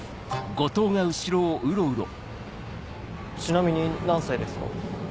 ちなみに何歳ですか？